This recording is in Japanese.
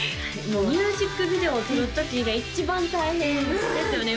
ミュージックビデオ撮るときが一番大変ですよね